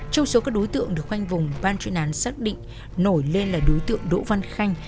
trong số các đối tượng được khoanh vùng ban chuyên án xác định nổi lên là đối tượng đỗ văn khanh